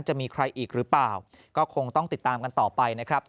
จะมีใครอีกหรือเปล่าก็คงต้องติดตามกันต่อไปนะครับ